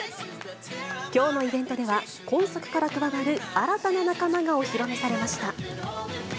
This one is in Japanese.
きょうのイベントには、今作から加わる新たな仲間がお披露目されました。